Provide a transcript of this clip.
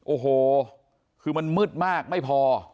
โอ้โหคือมันมืดมากไม่พอ